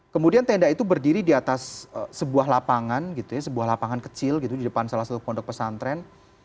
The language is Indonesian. kemudian tenda itu berdiri di atas sebuah lapangan gitu ya sebuah lapangan kecil gitu di depan salah satu pondok pesantren